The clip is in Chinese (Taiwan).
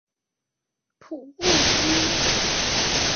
埔霧公路